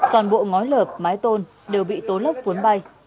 toàn bộ ngói lợp mái tôn đều bị tố lốc cuốn bay